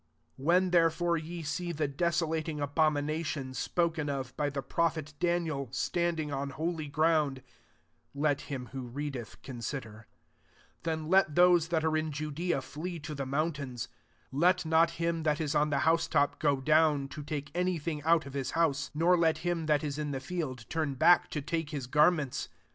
15 " When, therefore, ye see the desolating abomination, spo ken of by the prophet Daniel, standing on holy ground, (let him who readeth consider,) 16 then let those that are in Judea, flee to the mountains: 17 let not him that is on the hcmsf^topi go down, to take any thing wk of his house : 18 nor let hia that 19 in the field turn back to take his garments.